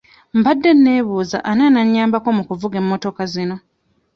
Mbadde neebuuza ani anannyambako mu kuvuga emmotoka zino?